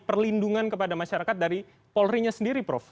perlindungan kepada masyarakat dari polri nya sendiri prof